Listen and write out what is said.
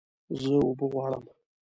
زه اوبه غواړم